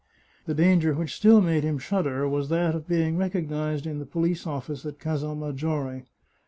The danger which still made him shudder was that of being recognised in the police office at Casal Maggiore.